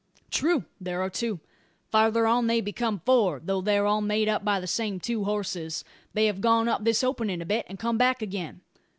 "True. There are two." "Farther on they become four; though they're all made by the same two horses. They have gone up this openin' a bit, and come back again."